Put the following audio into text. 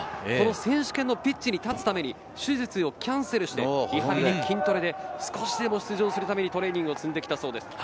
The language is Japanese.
この選手権のピッチに立つために手術をキャンセルして、リハビリ、筋トレで少しでも出場するためにトレーニングを積んできたそうです。